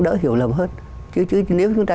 đỡ hiểu lầm hết chứ nếu chúng ta